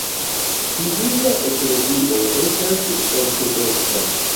Ilia eklezio estas ortodoksa.